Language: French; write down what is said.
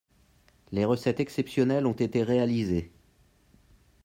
Les recettes exceptionnelles ont été réalisées